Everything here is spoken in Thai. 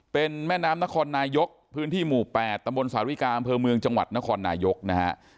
เป็นแม่น้ำนครนายกพื้นที่หมู่๘ตำบลสาริกาอำเภอเมืองจังหวัดนครนายกนะฮะ